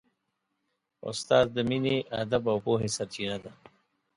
استاد د مینې، ادب او پوهې سرچینه ده.